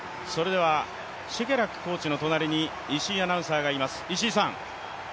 シェケラックコーチの隣に石井アナウンサーがいます。